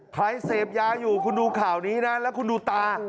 ใครเสพยาอยู่คุณดูข่าวนี้นะแล้วคุณดูตา